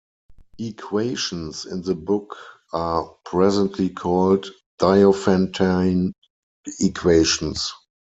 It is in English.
Equations in the book are presently called Diophantine equations.